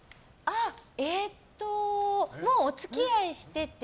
えーっともうお付き合いしてて。